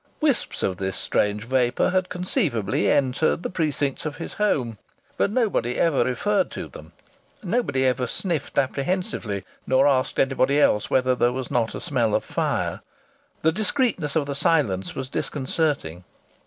Wisps of the strange vapour had conceivably entered the precincts of his home, but nobody ever referred to them; nobody ever sniffed apprehensively nor asked anybody else whether there was not a smell of fire. The discreetness of the silence was disconcerting.